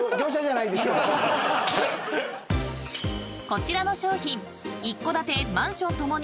［こちらの商品］